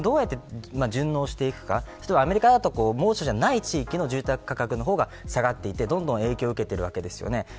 そこにどうやって順応していくかアメリカだと猛暑じゃない地域の住宅価格が下がっていてどんどん影響を受けているわけですよね。